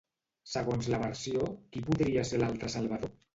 Segons la versió, qui podria ser l'altre salvador?